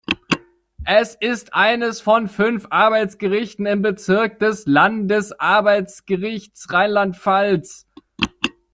Es ist eines von fünf Arbeitsgerichten im Bezirk des Landesarbeitsgerichts Rheinland-Pfalz.